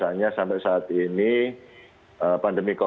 bahwasanya sampai saat ini pandemi covid sembilan belas ini belum berakhir